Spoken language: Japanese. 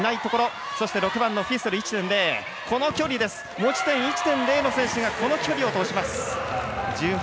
持ち点１．０の選手がこの距離を通します。